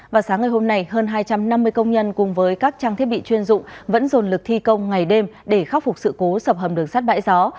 và sáng ngày hôm nay hơn hai trăm năm mươi công nhân cùng với các trang thiết bị chuyên dụng vẫn dồn lực thi công ngày đêm để khắc phục sự cố sập hầm đường sắt bãi gió